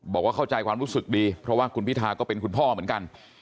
บอกว่าเข้าใจความรู้สึกดีเพราะว่าคุณพิธาก็เป็นคุณพ่อเหมือนกัน